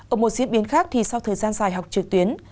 ở một diễn biến khác thì sau thời gian dài học trực tuyến